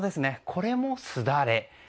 これもすだれ。